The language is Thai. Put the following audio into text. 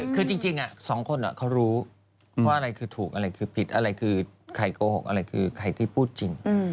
คือจริงสองคนเขารู้ว่าอะไรคือถูกอะไรคือผิดอะไรคือใครโกหกอะไรคือใครที่พูดจริง